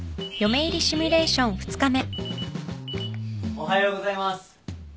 おはようございます。